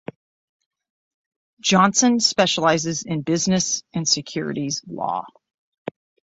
Johnson specializes in Business and Securities law.